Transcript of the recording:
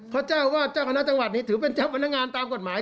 เจ้าวาดเจ้าคณะจังหวัดนี้ถือเป็นเจ้าพนักงานตามกฎหมาย